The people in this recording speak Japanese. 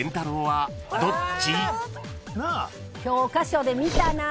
教科書で見たなあ。